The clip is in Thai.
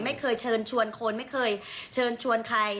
ไม่เคยเชิญชวนคนไม่เคยเชิญชวนใคร